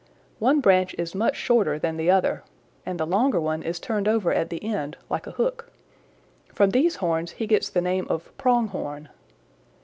One branch is much shorter than the other, and the longer one is turned over at the end like a hook. From these horns he gets the name of Pronghorn.